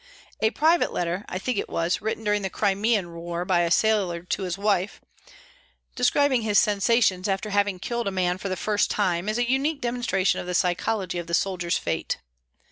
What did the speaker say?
A private letter, I think it was, written during the Crimean war by a sailor to his wife, describing his sensations after having killed a man for the first time, is a unique demonstration of the psychology of the soldier's fate.